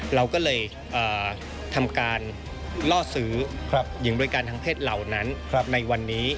เราก็เลยทำการล่อซื้อหญิงบริการทางเพศเหล่านั้นในวันนี้